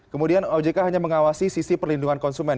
kemudian ojk hanya mengawasi sisi perlindungan konsumen